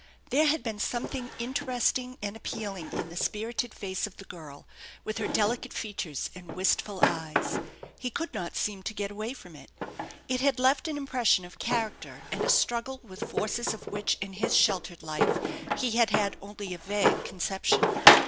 There had been something interesting and appealing in the spirited face of the girl, with her delicate features and wistful eyes. He could not seem to get away from it. It had left an impression of character and a struggle with forces of which in his sheltered life he had had only a vague conception.